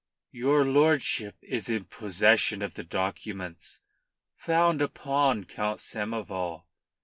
"Your lordship is in possession of the documents found upon Count Samoval.